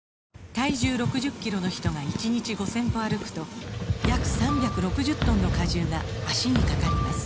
体重６０キロの人が１日５０００歩歩くと約３６０トンの荷重が脚にかかります